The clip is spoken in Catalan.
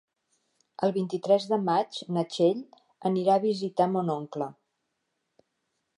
El vint-i-tres de maig na Txell anirà a visitar mon oncle.